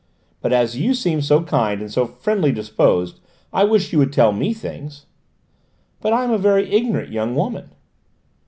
But as you seem so kind and so friendly disposed I wish you would tell me things." "But I am a very ignorant young woman."